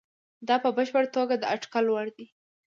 دا په بشپړه توګه د اټکل وړ دي.